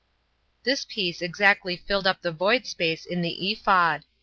This piece exactly filled up the void space in the ephod.